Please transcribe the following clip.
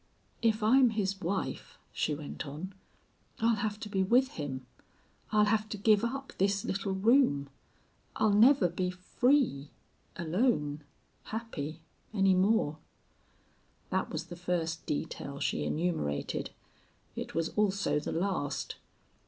"If I'm his wife," she went on, "I'll have to be with him I'll have to give up this little room I'll never be free alone happy, any more." That was the first detail she enumerated. It was also the last.